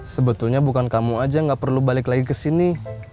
sebetulnya bukan kamu aja gak perlu balik lagi kesini